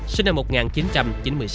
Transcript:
sinh năm một nghìn chín trăm chín mươi sáu